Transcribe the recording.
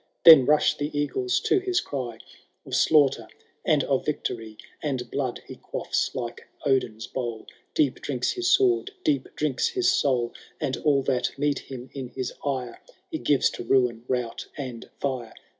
Then rush the eagles to his cry Of slaughter and of victory, — And blood he quafis like Odin^s bowl, Deep drinks his sword, — deep drinks his soul ; And all that meet him in his ire He gives to ruin, rout, and fire.